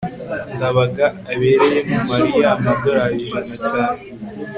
ndabaga abereyemo mariya amadorari ijana cyane